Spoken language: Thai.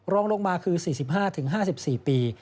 รองลงมาคือ๔๕๕๔ปี